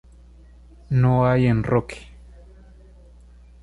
No hay enroque.